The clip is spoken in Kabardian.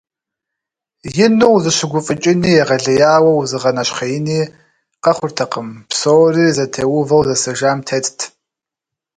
Ину узыщыгуфӏыкӏыни егъэлеяуэ узыгъэнэщхъеини къэхъуртэкъым, псори зытеувэу зэсэжам тетт.